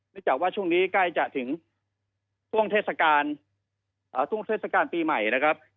จากว่าช่วงนี้ใกล้จะถึงช่วงเทศกาลช่วงเทศกาลปีใหม่นะครับ